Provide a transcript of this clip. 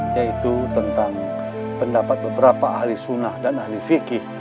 yaitu tentang pendapat beberapa ahli sunnah dan ahli fikih